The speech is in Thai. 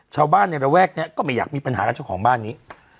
ชาวบ้านในระแวกนี้ก็ไม่อยากมีปัญหากับเจ้าของบ้านนี้